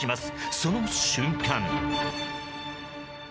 その瞬間。